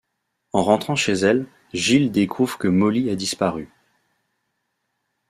En rentrant chez elle, Jill découvre que Molly a disparu.